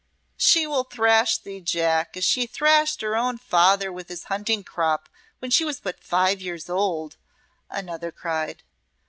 "She will thrash thee, Jack, as she thrashed her own father with his hunting crop when she was but five years old," another cried.